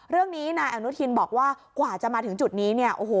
เรื่องนี้นายอนุทินบอกว่ากว่าจะมาถึงจุดนี้เนี่ยโอ้โห